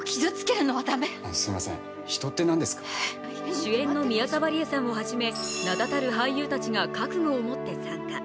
主演の宮沢りえさんをはじめ名だたる俳優たちが覚悟を持って参加。